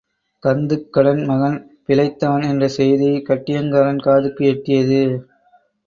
கந்துக்கடன் மகன் பிழைத்தான் என்ற செய்தி கட்டியங்காரன் காதுக்கு எட்டியது.